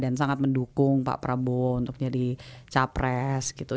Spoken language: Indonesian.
dan sangat mendukung pak prabowo untuk jadi capres gitu